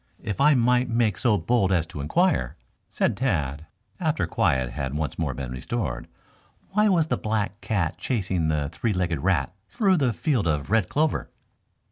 "If I might make so bold as to inquire," said Tad after quiet had once more been restored, "why was the black cat chasing the three legged rat through the field of red clover?"